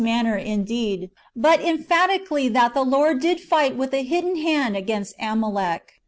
manner indeed, but emphatically, that the Lord did fight with a hidden hand against Amalek.